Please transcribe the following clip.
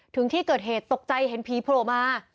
ถึงที่เกิดเหตุตกใจเห็นผีโผล่มา